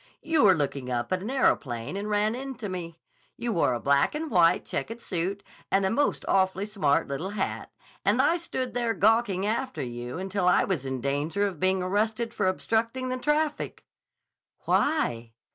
"You were looking up at an aeroplane and ran into me. You wore a black and white checked suit and a most awfully smart little hat, and I stood there gawking after you until I was in danger of being arrested for obstructing the traffic." "Why?"